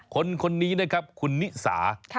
คนนี้นะครับคุณนิสา